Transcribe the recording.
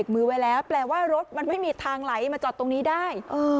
มือไว้แล้วแปลว่ารถมันไม่มีทางไหลมาจอดตรงนี้ได้